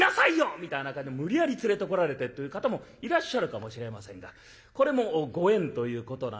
みたいな感じで無理やり連れてこられてという方もいらっしゃるかもしれませんがこれもご縁ということなんでございます。